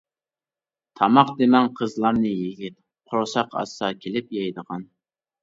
تاماق دېمەڭ قىزلارنى يىگىت، قورساق ئاچسا كېلىپ يەيدىغان.